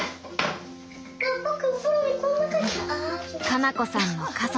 花菜子さんの家族。